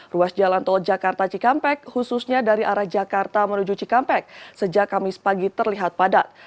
ruas jalan tol jakarta cikampek khususnya dari arah jakarta menuju cikampek sejak kamis pagi terlihat padat